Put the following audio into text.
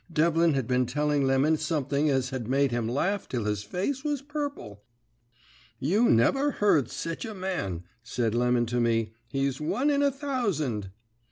Devlin had been telling Lemon something as had made him laugh till his face was purple. "'You never heard sech a man,' said Lemon to me. 'He's one in a thousand.'